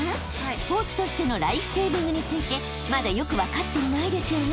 ［スポーツとしてのライフセービングについてまだよく分かっていないですよね？］